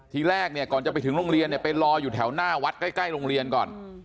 ทีแรกเนี่ยก่อนจะไปถึงโรงเรียนเนี่ยไปรออยู่แถวหน้าวัดใกล้โรงเรียนก่อน